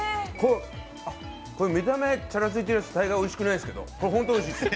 見た目チャラついてるやつ大概おいしくないんですけど、これホントおいしいです。